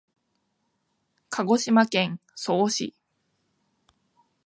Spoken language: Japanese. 鹿児島県曽於市